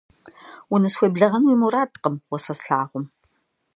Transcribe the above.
Унысхуеблэгъэн уи мурадкъым уэ сэ слъагъум.